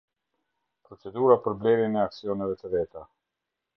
Procedura për Blerjen e Aksioneve të Veta.